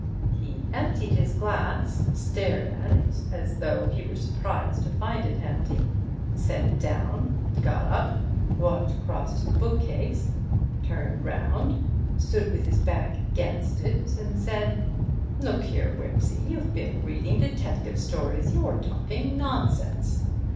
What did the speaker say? He emptied his glass—stared at it as though he were surprised to find it empty. set it down, got up, walked across to the bookcase, turned round, stood with his back against it and said: "Look here, Wimsey—you've been reading detective stories, you're talking nonsense."